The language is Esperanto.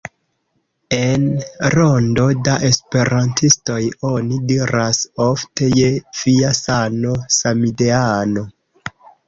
En rondo da esperantistoj oni diras ofte "je via sano, samideano"